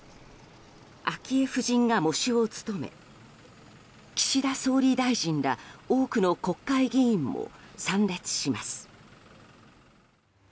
昭恵夫人が喪主を務め岸田総理大臣ら多くの国会議員も参列します。